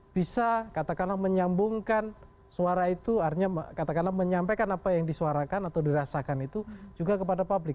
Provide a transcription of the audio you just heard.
bisa katakanlah menyambungkan suara itu artinya katakanlah menyampaikan apa yang disuarakan atau dirasakan itu juga kepada publik